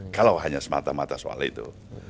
kalau hanya semata mata soal itu